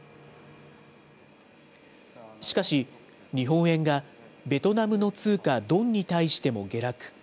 しかし、日本円がベトナムの通貨ドンに対しても下落。